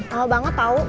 lama banget tau